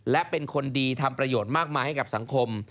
และเป็นคนดีทำประโยชน์มากมายให้กับสังคม